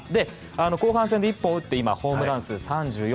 後半戦で１本打って今、ホームラン数３４。